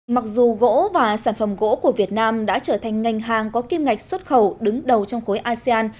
mặc dù gỗ và sản phẩm gỗ của việt nam đã trở thành ngành hàng có kim ngạch xuất khẩu đứng đầu trong khối asean